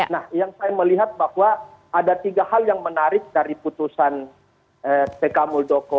nah yang saya melihat bahwa ada tiga hal yang menarik dari putusan tk muldoko